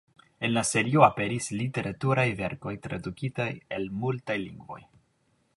En la serio aperis literaturaj verkoj, tradukitaj el multaj lingvoj.